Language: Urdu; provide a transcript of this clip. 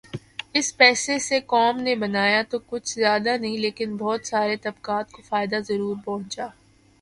اس پیسے سے قوم نے بنایا تو کچھ زیادہ نہیں لیکن بہت سارے طبقات کو فائدہ ضرور پہنچا۔